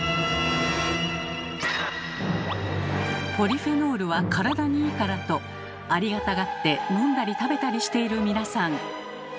ポリフェノールは体にいいからとありがたがって飲んだり食べたりしている皆さん。